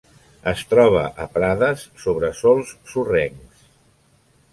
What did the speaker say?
Es troba a prades sobre sòls sorrencs.